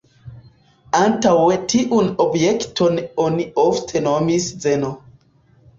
Antaŭe tiun objekton oni ofte nomis "Zeno".